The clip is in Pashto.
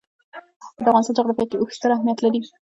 د افغانستان جغرافیه کې اوښ ستر اهمیت لري.